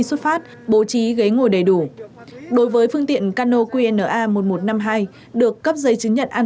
xuất phát bố trí ghế ngồi đầy đủ đối với phương tiện cano qna một nghìn một trăm năm mươi hai được cấp giấy chứng nhận ăn